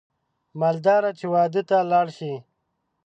مالداره چې واده ته لاړ شي